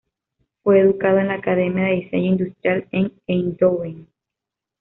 Fue educado en la Academia de Diseño Industrial en Eindhoven.